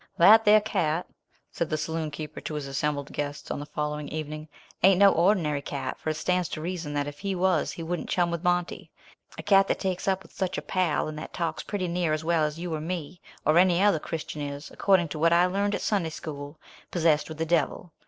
"That there cat," said the saloon keeper to his assembled guests on the following evening, "ain't no ordinary cat, for it stands to reason that if he was he wouldn't chum with Monty. A cat that takes up with such a pal, and that talks pretty near as well as you or me, or any other Christian is, according to what I learned at Sunday School, possessed with the devil.